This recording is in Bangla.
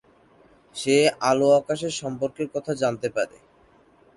সে আলো আকাশের সম্পর্কের কথা জানতে পারে।